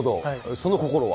その心は。